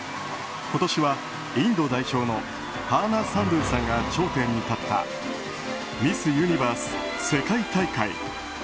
今年はインド代表のハーナ・サンドゥさんが頂点に立ったミス・ユニバース世界大会。